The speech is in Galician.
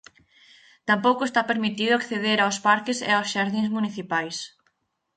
Tampouco está permitido acceder aos parques e aos xardíns municipais.